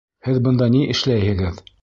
Һеҙ бында ни эшләйһегеҙ?